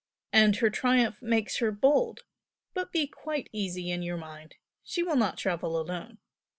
and her triumph makes her bold. But be quite easy in your mind! she will not travel alone!"